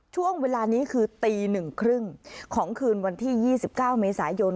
ช่วงเวลานี้คือตี๑๓๐ของคืนวันที่๒๙เมษายน